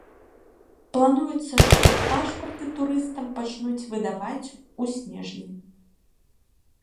Плануецца, што пашпарты турыстам пачнуць выдаваць у снежні.